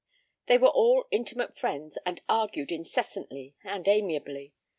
They were all intimate friends and argued incessantly and amiably.